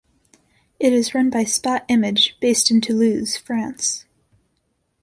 It is run by Spot Image, based in Toulouse, France.